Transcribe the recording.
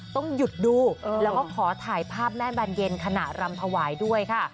ต้องหยุดดูแล้วก็ขอถ่ายภาพแม่บานเย็นขณะรำถวายด้วยค่ะ